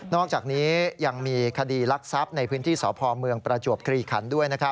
อกจากนี้ยังมีคดีรักทรัพย์ในพื้นที่สพเมืองประจวบคลีขันด้วย